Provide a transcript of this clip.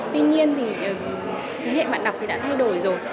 tuy nhiên thì thế hệ bạn đọc thì đã thay đổi rồi